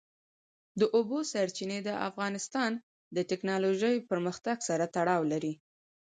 د اوبو سرچینې د افغانستان د تکنالوژۍ پرمختګ سره تړاو لري.